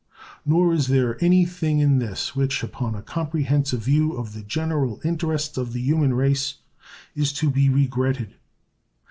Nor is there any thing in this which, upon a comprehensive view of the general interests of the human race, is to be regretted.